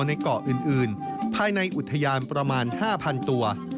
ในเกาะอื่นภายในอุทยานประมาณ๕๐๐๐ตัว